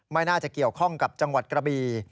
ไม่น่าจะเกี่ยวข้องกับจังหวัดกระบี